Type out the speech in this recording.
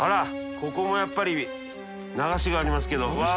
ここもやっぱり流しがありますけどわっ。